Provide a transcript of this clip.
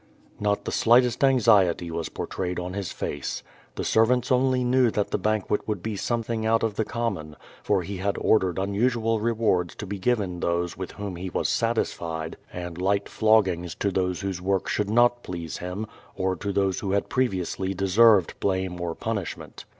Not the slightest anxiety was iwrtrayed on his face. The servants only knew that the banquet would be something out 0170 YADI8. 505 of the common, for he had ordered unusual rewards to be given those with whom he was satisfied, and light floggings to those whose work should not please him, or to those who had previously deserved blame or punishment.